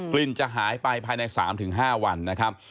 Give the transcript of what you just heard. ลิ่นจะหายไปภายใน๓๕วันนะครับ